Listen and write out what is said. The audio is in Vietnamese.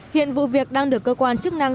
hiện vụ việc đang được cơ quan chức năng